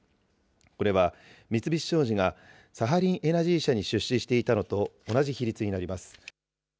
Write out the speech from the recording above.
これは、三菱商事がサハリンエナジー社に出資していたのと同じ比率になります。